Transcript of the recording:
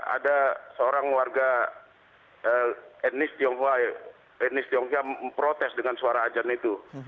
ada seorang warga etnis tionghoa etnis tionghoa memprotes dengan suara ajan itu